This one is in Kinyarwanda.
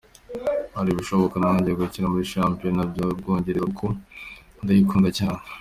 Ari ibishoboka najya gukina muri shampiyona y’u Bwongereza kuko ndayikunda cyane.